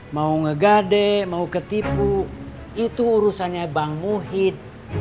mau ngegade mau ketipu itu urusannya bang muhid